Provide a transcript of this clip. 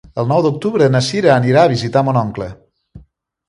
El nou d'octubre na Cira anirà a visitar mon oncle.